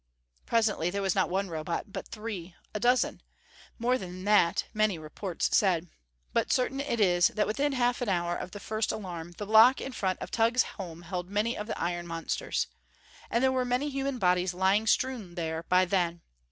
Presently there was not one Robot, but three: a dozen! More than that, many reports said. But certain it is that within half an hour of the first alarm, the block in front of Tugh's home held many of the iron monsters. And there were many human bodies lying strewn there, by then.